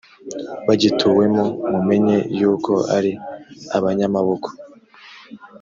bagituyemo mumenye yuko ari abanyamaboko